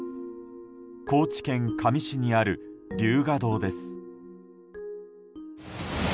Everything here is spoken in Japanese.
高知県香美市にある龍河洞です。